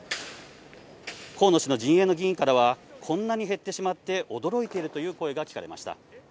河野氏の陣営の議員からは、こんなに減ってしまって驚いているという声が聞かれました。